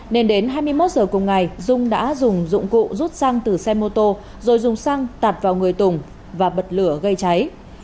nên đến hai mươi một giờ cùng ngày dung đã dùng dụng cụ rút xăng từ xe mô tô rồi dùng xăng tạt vào người tùng và bật lửa gây cháy